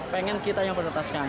pengen kita yang perlitaskan